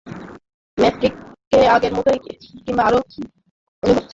ম্যাট্রিক্সকে আগের মতোই কিংবা আরো বীভৎস মনে হচ্ছে!